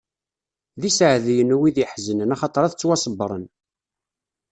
D iseɛdiyen, wid iḥeznen, axaṭer ad ttwaṣebbren!